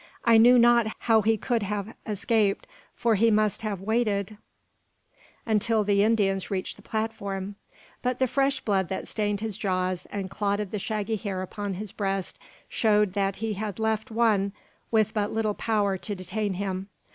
I knew not how he could have escaped, for he must have waited until the Indians reached the platform; but the fresh blood that stained his jaws, and clotted the shaggy hair upon his breast, showed that he had left one with but little power to detain him.